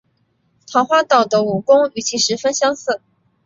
桃花岛的武功与其十分相似。